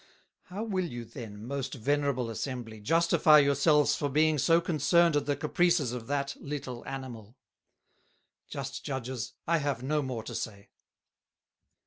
How will you then, most Venerable Assembly, justifie your selves for being so concerned at the Caprices of that little Animal? Just Judges, I have no more to say."